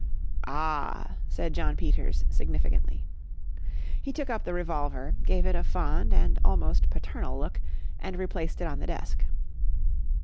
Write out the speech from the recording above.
"Ah!" said John Peters significantly. He took up the revolver, gave it a fond and almost paternal look, and replaced it on the desk.